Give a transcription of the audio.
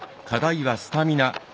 課題はスタミナ。